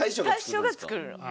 大将が作るの。